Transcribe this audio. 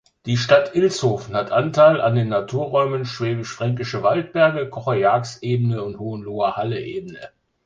Die Stadt Ilshofen hat Anteil an den Naturräumen Schwäbisch-Fränkische Waldberge, Kocher-Jagst-Ebenen und Hohenloher-Haller Ebene.